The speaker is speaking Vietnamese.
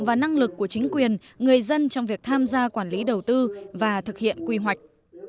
và năng lực của chính quyền người dân trong việc tham gia quản lý đầu tư và thực hiện quy hoạch